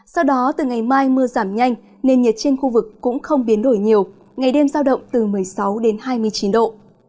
sau đó từ ngày mai mưa giảm nhanh nền nhiệt trên khu vực cũng không biến đổi nhiều ngày đêm giao động từ một mươi sáu đến hai mươi chín độ